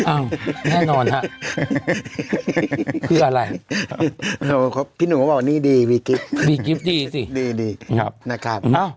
แน่นอนฮะเพื่ออะไรพี่หนุ่มก็บอกนี่ดีวีกิฟต์วีกิฟต์ดีสิดีนะครับ